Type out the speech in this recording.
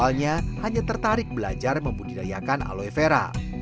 awalnya hanya tertarik belajar membudidayakan aloe vera